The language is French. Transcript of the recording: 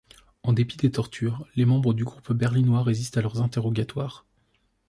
En dépit des tortures, les membres du groupe berlinois résistent à leurs interrogatoires.